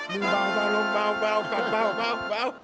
มือเบาลงเบากัดเบา